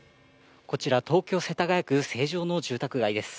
こちら東京・世田谷区成城の住宅街です。